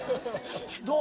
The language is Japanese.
どう？